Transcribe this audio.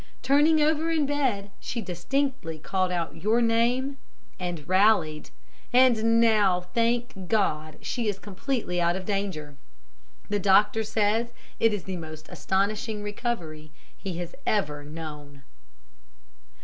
Turning over in bed, she distinctly called out your name, and rallied. And now, thank God, she is completely out of danger. The doctor says it is the most astonishing recovery he has ever known.'